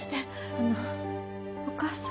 あのお母さん。